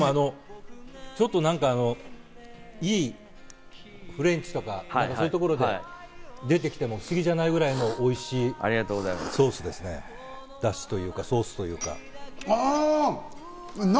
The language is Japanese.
ちょっといいフレンチとか、そういうところで出てきても不思議じゃないぐらいのおいしいソースですね、だしというかソースというか。